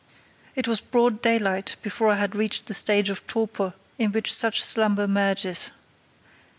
It was broad daylight before I had reached the stage of torpor in which such slumber merges.